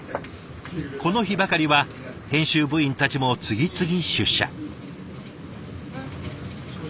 この日ばかりは編集部員たちも次々出社。